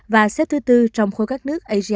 và xếp thứ bốn trong khối các nước asean